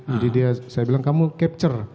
jadi dia saya bilang kamu capture